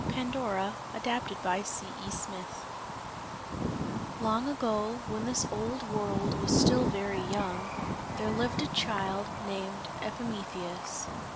PANDORA ADAPTED BY C.E. SMITH Long, long ago, when this old world was still very young, there lived a child named Epimetheus.